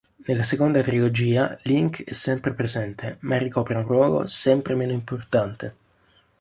Nella seconda trilogia, Link è sempre presente ma ricopre un ruolo sempre meno importante.